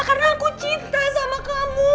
karena aku cinta sama kamu